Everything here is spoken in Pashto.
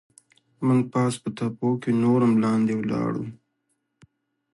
موږ پاس په تپو کې نور هم وړاندې ولاړو.